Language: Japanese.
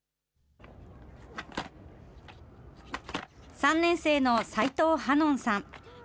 ３年生の齋藤波音さん。